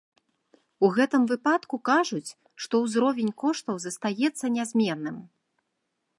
У гэтым выпадку кажуць, што ўзровень коштаў застаецца нязменным.